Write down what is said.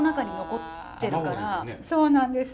そうなんです。